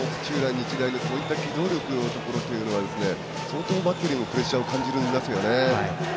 日大のこういった機動力のところが相当バッテリーもプレッシャーを感じますよね。